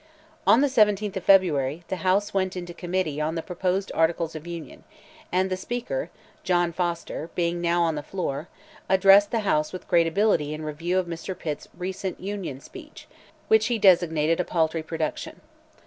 On the 17th of February, the House went into Committee on the proposed articles of Union, and the Speaker (John Foster) being now on the floor, addressed the House with great ability in review of Mr. Pitt's recent Union speech, which he designated "a paltry production."